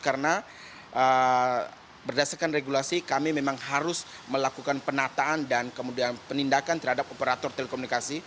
karena berdasarkan regulasi kami memang harus melakukan penataan dan penindakan terhadap operator telekomunikasi